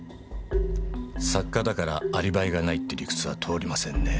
作家だからアリバイがないって理屈は通りませんねぇ。